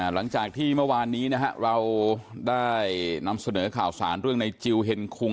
หลังจากที่เมื่อวานนี้เราได้นำเสนอข่าวสารเรื่องในจิลเฮ็งคุง